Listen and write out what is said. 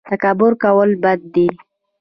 تکبر کول بد دي